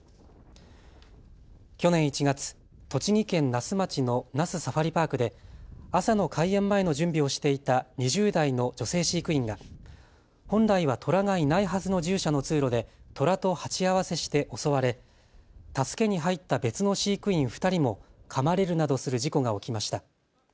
去年１月、栃木県那須町の那須サファリパークで朝の開園前の準備をしていた２０代の女性飼育員が本来はトラがいないはずの獣舎の通路でトラと鉢合わせして襲われ助けに入った別の飼育員２人もかまれるなどする事故が起きました。